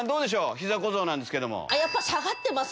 膝小僧なんですけど。